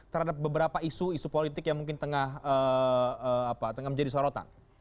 terhadap beberapa isu isu politik yang mungkin tengah menjadi sorotan